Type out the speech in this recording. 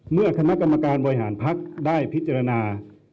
เมื่อคณะกรรมการบริหารภักดิ์ได้พิจารณา